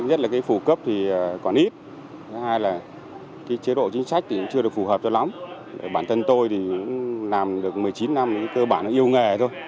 thứ nhất là cái phụ cấp thì còn ít thứ hai là cái chế độ chính sách thì cũng chưa được phù hợp cho lắm bản thân tôi thì làm được một mươi chín năm thì cơ bản yêu nghề thôi